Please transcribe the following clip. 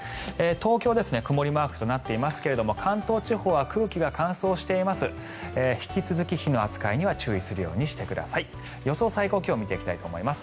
東京曇りマークとなっていますが関東地方は空気が乾燥しています。